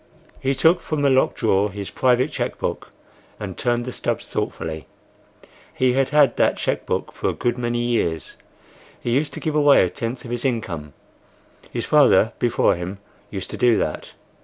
He took from a locked drawer his private cheque book and turned the stubs thoughtfully. He had had that cheque book for a good many years. He used to give away a tenth of his income. His father before him used to do that.